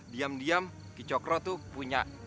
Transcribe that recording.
diam diam kicokro tuh punya